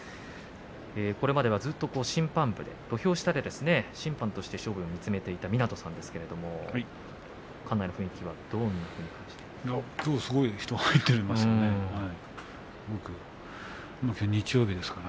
これまではずっと審判部で土俵下で審判として勝負を見つめていた湊さんですが館内の雰囲気はどうですか？